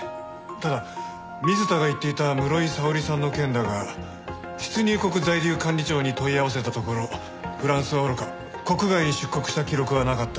ただ水田が言っていた室井沙織さんの件だが出入国在留管理庁に問い合わせたところフランスはおろか国外に出国した記録はなかった。